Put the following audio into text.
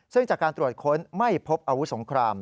ซึ่งจากการตรวจค้นไม่พบอาวุธสงคราม